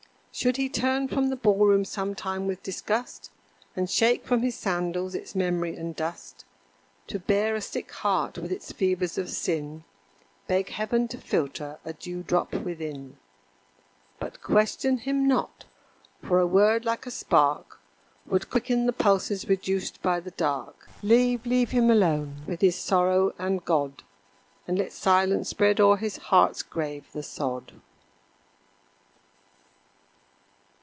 Should he turn from the ball room sometime with disgust And shake from his sandals its memory and dust, To bare a sick heart with its fevers of sin, Beg heaven to filter a dewdrop within, But question him not, for a word like a spark Would quicken the pulses reduced by the dark; Leave, leave him alone with his sorrow and God, And let Silence spread o'er his heart's grave the sod.